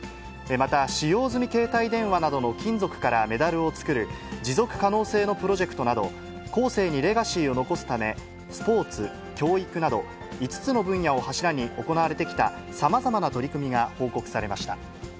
また、使用済み携帯電話などの金属からメダルを作る、持続可能性のプロジェクトなど、後世にレガシーを残すため、スポーツ、教育など５つの分野を柱に行われてきたさまざまな取り組みが報告されました。